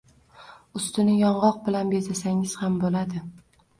Ustini yong‘oq bilan bezasangiz ham bo‘ladi